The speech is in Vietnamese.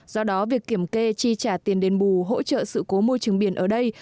do đó việc kiểm kê chi trả tiền đền bù hỗ trợ sự cố môi trường biển ở đây